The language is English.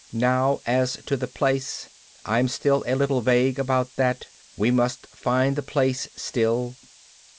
Now as to the place! I'm still a little vague about that. We must find the place, still.